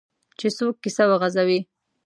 چې څوک کیسه وغځوي.